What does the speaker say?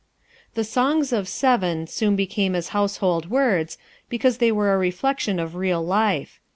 The Songs of Seven soon became as household words, because they were a reflection of real life.